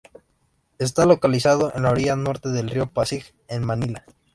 Está localizado en la orilla norte del río Pasig en Manila.